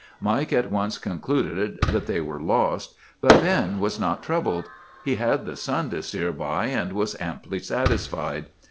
Mike at once concluded that they were lost, but Ben was not troubled. He had the sun to steer by, and was amply satisfied.